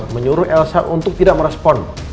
menyuruh lh untuk tidak merespon